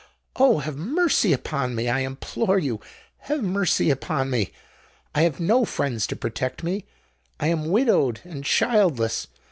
Oh! have mercy upon me, I implore you—have mercy upon me! I have no friends to protect me: I am widowed and childless.